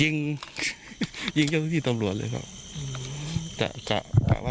ยิงยิงเจ้าหน้าที่ตำรวจเลยครับ